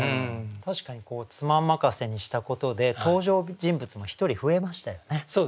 確かに「妻任せ」にしたことで登場人物も１人増えましたよね。